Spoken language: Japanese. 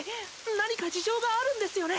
何か事情があるんですよね？